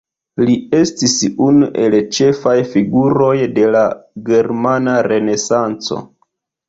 Li estis unu el ĉefaj figuroj de la Germana Renesanco.